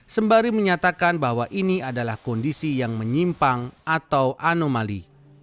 sembari menyatakan bahwa ini adalah kondisi yang menyimpang atau anomali